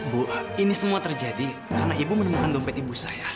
bu ini semua terjadi karena ibu menemukan dompet ibu saya